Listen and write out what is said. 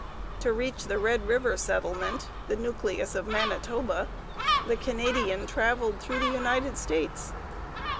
To reach the Red River Settlement, the nucleus of Manitoba, the Canadian travelled through the United States.